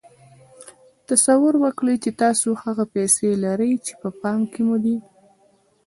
تصور وکړئ چې تاسې هغه پيسې لرئ چې په پام کې مو دي.